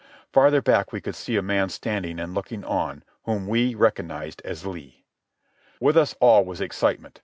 Farther back we could see a man standing and looking on, whom we recognized as Lee. With us all was excitement.